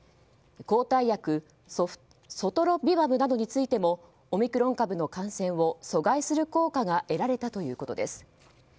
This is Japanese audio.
抗体薬ソトロビマブなどについてもオミクロン株の感染を阻害する効果が得られたということです。